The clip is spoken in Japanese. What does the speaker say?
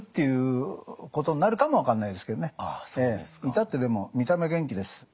至ってでも見た目元気です。